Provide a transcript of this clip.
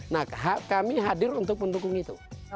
nah kami hadir untuk mendukung itu